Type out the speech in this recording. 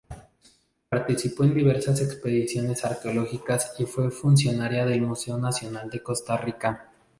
Participó en diversas expediciones arqueológicas y fue funcionaria del Museo Nacional de Costa Rica.